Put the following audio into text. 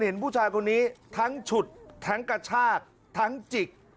เห็นผู้ชายคนนี้ทั้งฉุดทั้งกระชากทั้งจิก